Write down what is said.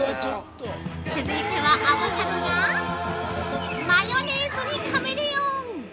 ◆続いてはアボカドがマヨネーズにカメレオン！